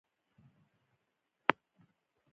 مور مې غلې وه.